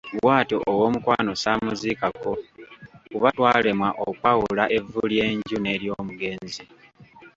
Bwatyo ow’omukwano saamuziikako kuba twalemwa okwawula evvu ly’enju n’eryomugenzi”.